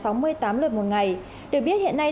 sáu mươi tám lượt một ngày được biết hiện nay